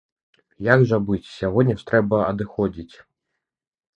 Як жа быць, сягоння ж трэба адыходзіць!